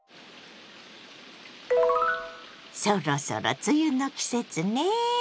そろそろ梅雨の季節ね。